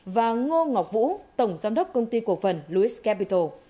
và ngô ngọc vũ tổng giám đốc công ty cộng phần louis capital